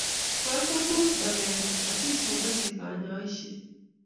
Kachamun magengung asisomanchi kanyoishet